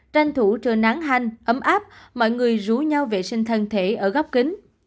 tranh thủ trời nắng hanh ấm áp mọi người rủ nhau vệ sinh thân thể ở góc kính